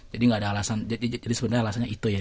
jadi sebenarnya alasannya itu ya